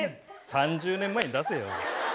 ３０年前に出せよ。